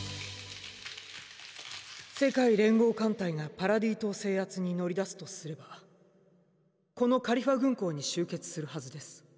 世界連合艦隊がパラディ島制圧に乗り出すとすればこのカリファ軍港に集結するはずです。